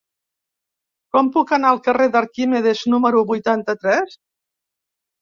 Com puc anar al carrer d'Arquímedes número vuitanta-tres?